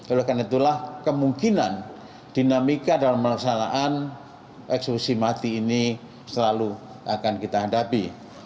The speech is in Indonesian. oleh karena itulah kemungkinan dinamika dalam melaksanakan eksekusi mati ini selalu akan kita hadapi